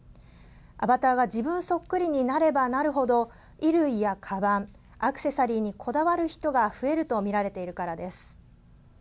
アバターが自分そっくりになればなるほど衣類やかばん、アクセサリーにこだわる人が増えるとみられているからです。